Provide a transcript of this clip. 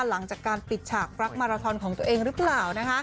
หลังจากการปิดฉากรักมาราทอนของตัวเองหรือเปล่า